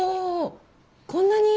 こんなに？